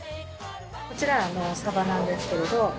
こちらサバなんですけれど。